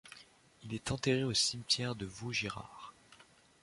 Il est enterré au cimetière de Vaugirard.